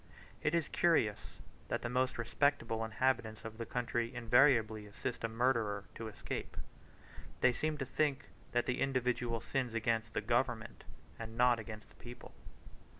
It is curious that the most respectable inhabitants of the country invariably assist a murderer to escape: they seem to think that the individual sins against the government, and not against the people.